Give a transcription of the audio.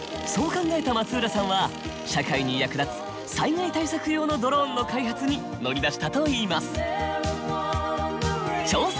そう考えた松浦さんは社会に役立つ災害対策用のドローンの開発に乗り出したといいます。